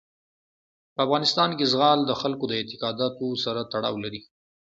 په افغانستان کې زغال د خلکو د اعتقاداتو سره تړاو لري.